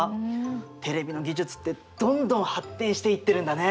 テレビの技術ってどんどん発展していってるんだね。